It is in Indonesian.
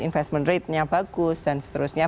investment rate nya bagus dan seterusnya